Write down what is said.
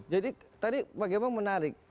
jadi tadi pak gema menarik